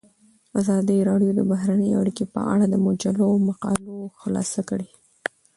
ازادي راډیو د بهرنۍ اړیکې په اړه د مجلو مقالو خلاصه کړې.